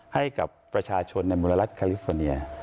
ให้กับประชาชนในมูรณลัศน์คาลิฟฟอเนีย